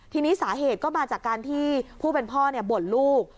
ทีนี้สาเหตุก็มาจากการที่ผู้เป็นพ่อบ่นลูก